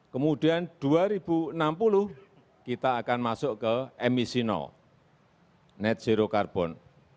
kemudian dua ribu enam puluh kita akan masuk ke emisi net zero carbon